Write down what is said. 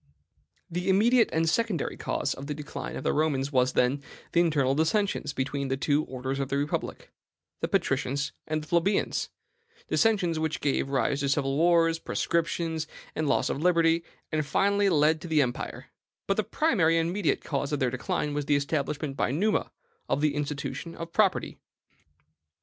The immediate and secondary cause of the decline of the Romans was, then, the internal dissensions between the two orders of the republic, the patricians and the plebeians, dissensions which gave rise to civil wars, proscriptions, and loss of liberty, and finally led to the empire; but the primary and mediate cause of their decline was the establishment by Numa of the institution of property.